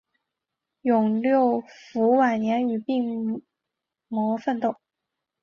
永六辅晚年与病魔奋斗。